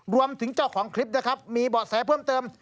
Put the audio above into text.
เจ้าของคลิปนะครับมีเบาะแสเพิ่มเติม